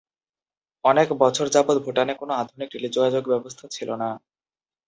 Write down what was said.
অনেক বছর যাবৎ ভুটানে কোন আধুনিক টেলিযোগাযোগ ব্যবস্থা ছিল না।